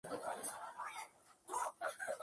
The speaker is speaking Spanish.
Tiene el iris blanco y el pico y las patas son negras.